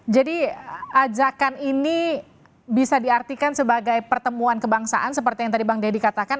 jadi ajakan ini bisa diartikan sebagai pertemuan kebangsaan seperti yang tadi bang deddy katakan